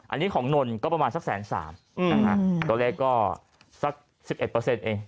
อันนี้ของนอนก็ประมาณสัก๑๐๓๐๐๐บรายตัวเลขก็สัก๑๑เอง